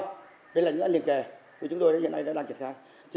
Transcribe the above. cái lệnh lãnh liên kề của chúng tôi hiện nay đã đạt được khác